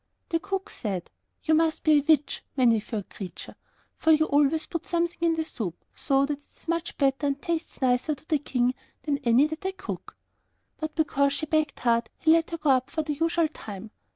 The cook said, 'You must be a witch, Many furred Creature, for you always put something in the soup, so that it is much better and tastes nicer to the King than any that I cook.' But because she begged hard, he let her go up for the usual time.